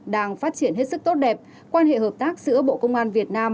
đang phát triển hết sức tốt đẹp quan hệ hợp tác giữa bộ công an việt nam